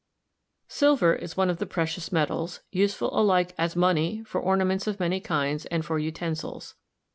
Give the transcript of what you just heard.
Silver is one of the precious metals, useful alike as money, for ornaments of many kinds, and for utensils.